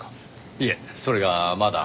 いえそれがまだ。